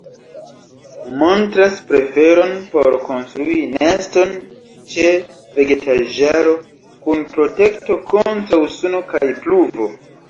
Montras preferon por konstrui neston ĉe vegetaĵaro, kun protekto kontraŭ suno kaj pluvo.